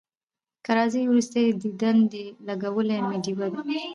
که راځې وروستی دیدن دی لګولي مي ډېوې دي